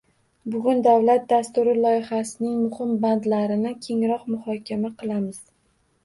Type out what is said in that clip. Bugun davlat dasturi loyihasining muhim bandlarini kengroq muhokama qilamiz.